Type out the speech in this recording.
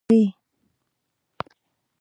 هغه په داسې حال کې نړۍ ته راغی.